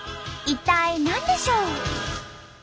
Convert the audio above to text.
一体何でしょう？